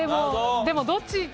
でもどっち？